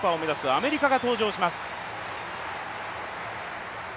アメリカが登場します。